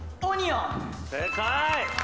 正解！